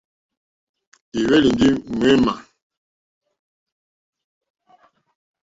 É hwélì ndí ŋmémà.